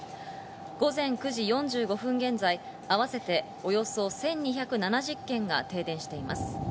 午前９時４５分現在、あわせておよそ１２７０軒が停電しています。